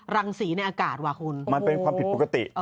รังสีในอากาศว่ะคุณมันเป็นความผิดปกติ